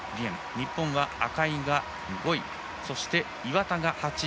日本は赤井が５位そして岩田が８位。